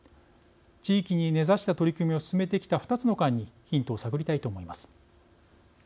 地域に根ざした取り組みを進めてきた２つの館にヒントを探りたいと思います。